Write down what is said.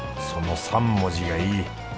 その３文字がいい。